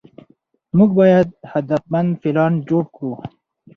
موږ باید هدفمند پلان جوړ کړو.